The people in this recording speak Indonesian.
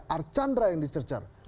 arcandra yang dicercar